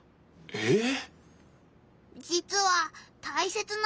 えっ？